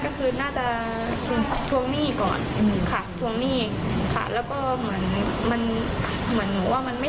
ก็เหมือนคิดว่ามันอาจจะไม่ใช่เรื่องด้วย